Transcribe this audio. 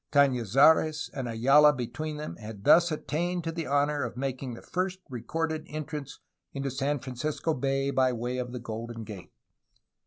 Cafiizares and Ayala between them had thus attained to the honor of making the first recorded en trance into San Francisco Bay by way of the Golden Gate.